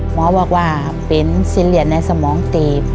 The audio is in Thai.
หมอบอกว่าเป็นซีเรียสในสมองตีบ